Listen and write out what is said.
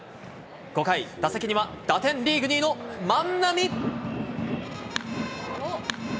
５回、打席には打点リーグ２位の万波。